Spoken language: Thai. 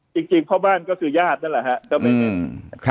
จริงพ่อบ้านก็คือยาดนั่นแหละครับ